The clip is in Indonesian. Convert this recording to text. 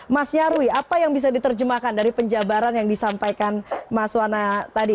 mas nyarwi apa yang bisa diterjemahkan dari penjabaran yang disampaikan mas wana tadi